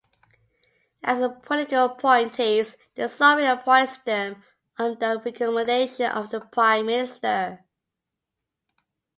As political appointees, the Sovereign appoints them on the recommendation of the Prime Minister.